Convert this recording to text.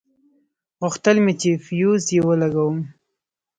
غوښتل مې چې فيوز يې ولګوم.